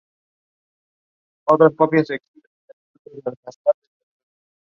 Se alimenta principalmente de peces, calamares y algunos crustáceos.